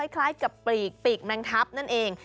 คล้ายกับปลีกปีกแมงทัพนั่นเอง